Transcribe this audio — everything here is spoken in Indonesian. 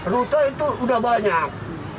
rute itu udah banyak